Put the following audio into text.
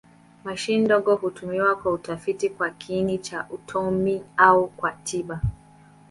Mashine ndogo hutumiwa kwa utafiti kwa kiini cha atomi au kwa tiba.